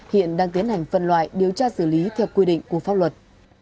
hiện đang tiến hành phân loại điều tra xử lý theo quy định của pháp luật